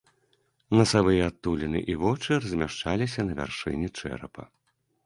Насавыя адтуліны і вочы размяшчаліся на вяршыні чэрапа.